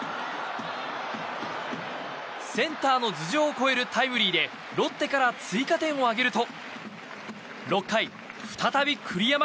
センターの頭上を越えるタイムリーでロッテから追加点を挙げると６回、再び栗山。